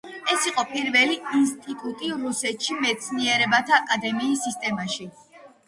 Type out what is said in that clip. ეს იყო პირველი ინსტიტუტი რუსეთის მეცნიერებათა აკადემიის სისტემაში.